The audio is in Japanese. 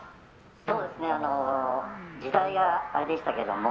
そうですね。時代があれでしたけども。